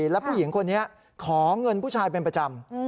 แล้วผู้หญิงคนนี้ขอเงินผู้ชายเป็นประจำ